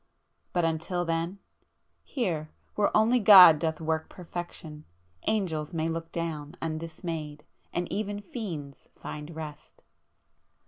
But, until then, ... here, where only God doth work perfection, angels may look down undismayed, and even fiends find rest!"